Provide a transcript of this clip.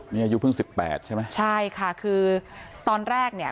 นี่อายุเพิ่งสิบแปดใช่ไหมใช่ค่ะคือตอนแรกเนี่ย